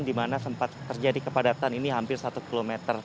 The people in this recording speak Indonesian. di mana sempat terjadi kepadatan ini hampir satu km